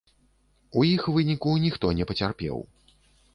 У іх выніку ніхто не пацярпеў.